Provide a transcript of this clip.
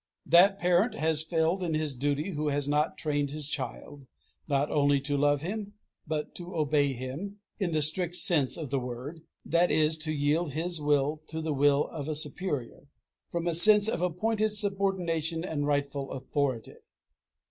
That parent has failed in his duty who has not trained his child, not only to love him, but to obey him, in the strict sense of the word, that is to yield his will to the will of a superior, from a sense of appointed subordination and rightful authority.